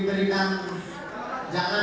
udah ada luka ini